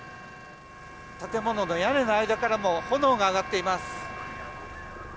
建物の屋根の間からも炎が上がっています。